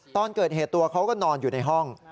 ตอนเกิดเหตุตัวเขาก็นอนอยู่ในห้อง